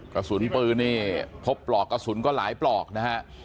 กสุนปือนี่พบปลอกกสุนก็หลายปรอกนะครับ